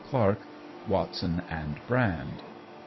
Clark, Watson, and Brand.